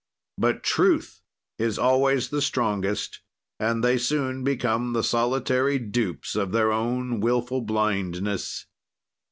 "But truth is always the strongest and they soon become the solitary dupes of their own wilful blindness.